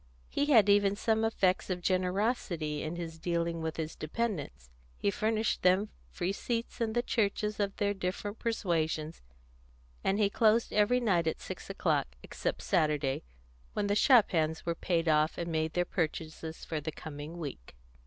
He had even some effects of generosity in his dealing with his dependants; he furnished them free seats in the churches of their different persuasions, and he closed every night at six o'clock, except Saturday, when the shop hands were paid off, and made their purchases for the coming week.